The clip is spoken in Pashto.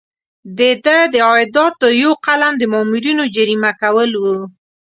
د ده د عایداتو یو قلم د مامورینو جریمه کول وو.